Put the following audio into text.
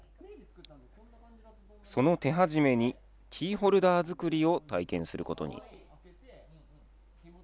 その手始めに、キーホルダー作りを体験することに。